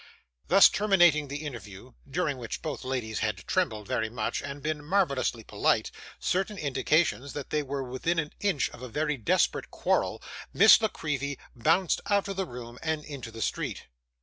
Thus terminating the interview, during which both ladies had trembled very much, and been marvellously polite certain indications that they were within an inch of a very desperate quarrel Miss La Creevy bounced out of the room, and into the street.